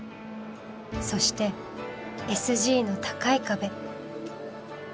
そしてＳＧの高い壁。